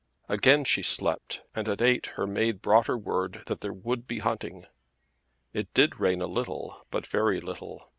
Again she slept and at eight her maid brought her word that there would be hunting. It did rain a little but very little.